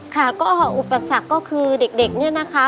ค่ะก็อุปสรรคก็คือเด็กเนี่ยนะคะ